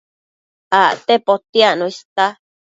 Acte potiacno ista